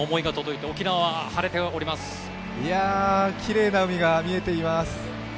いやぁ、きれいな海が見えています。